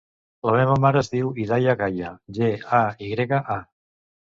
La meva mare es diu Hidaya Gaya: ge, a, i grega, a.